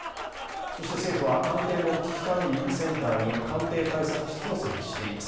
政府は官邸の危機管理センターに官邸対策室を設置しています。